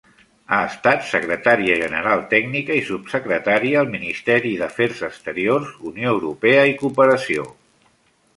Ha estat secretària general tècnica i Subsecretaria al Ministeri d'Afers Exteriors, Unió Europea i Cooperació.